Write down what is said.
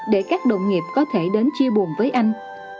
để các đồng nghiệp có thể đến chia buồn với anh